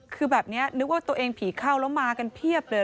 คือแบบนี้นึกว่าตัวเองผีเข้าแล้วมากันเพียบเลย